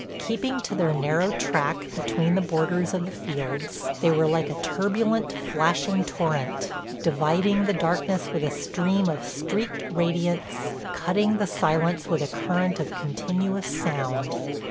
Keeping to their narrow track between the borders of the fields they were like a turbulent, flashing torrent, dividing the darkness with a stream of streaked radiance, cutting the silence with a current of continuous sound.